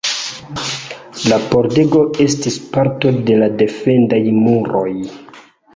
La pordego estis parto de la defendaj muroj.